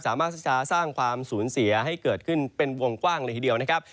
สามารถที่จะสร้างความสูญเสียให้เกิดขึ้นเป็นวงกว้างเลยทีเดียวนะครับ